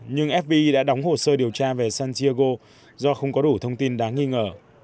nhưng fb đã đóng hồ sơ điều tra về santiago do không có đủ thông tin đáng nghi ngờ